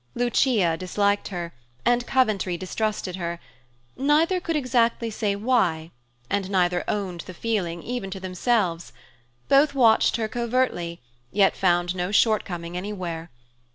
Lucia disliked her, and Coventry distrusted her; neither could exactly say why, and neither owned the feeling, even to themselves. Both watched her covertly yet found no shortcoming anywhere.